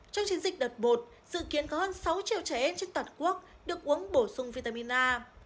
trong chiến dịch đợt một dự kiến có hơn sáu triệu trẻ em trên toàn quốc được uống bổ sung vitamin a